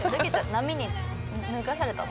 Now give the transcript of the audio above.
波に脱がされたの？